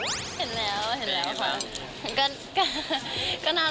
อันนี้คือเราให้ไปตอนหนังโปรโม้ล